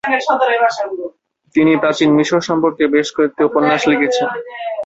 তিনি প্রাচীন মিশর সম্পর্কে বেশ কয়েকটি উপন্যাস লিখেছেন।